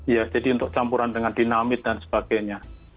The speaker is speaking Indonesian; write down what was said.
ya jadi untuk campuran dengan dinamit dan sebagainya